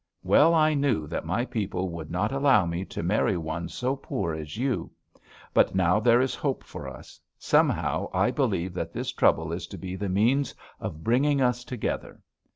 Well I knew that my people would not allow me to marry one so poor as you. But now there is hope for us; somehow I believe that this trouble is to be the means of bringing us together.'